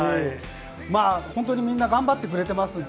まぁ本当にみんな頑張ってくれています。